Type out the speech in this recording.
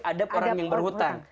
adab orang yang berhutang